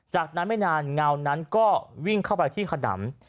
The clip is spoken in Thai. จากนั้นไม่นานเงานั้นก็วิ่งเข้าไปที่ขนำ